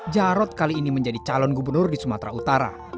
jarod kali ini menjadi calon gubernur di sumatera utara